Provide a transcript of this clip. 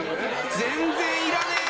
全然いらねー。